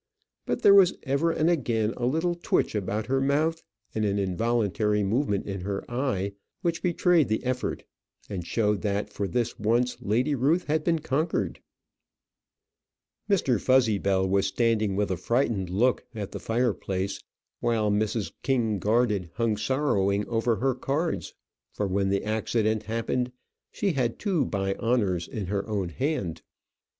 But there was ever and again a little twitch about her mouth, and an involuntary movement in her eye which betrayed the effort, and showed that for this once Lady Ruth had conquered. Mr. Fuzzybell was standing with a frightened look at the fireplace; while Mrs. King Garded hung sorrowing over her cards, for when the accident happened she had two by honours in her own hand.